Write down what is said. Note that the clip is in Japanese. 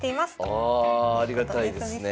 あありがたいですねえ。